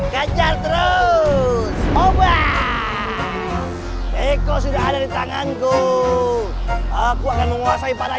kejar terus obat hei kau sudah ada di tanganku aku akan menguasai para